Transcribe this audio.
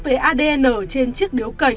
với adn trên chiếc điếu cẩy